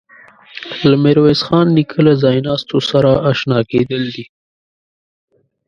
له میرویس خان نیکه له ځایناستو سره آشنا کېدل دي.